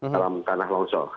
dalam tanah longsor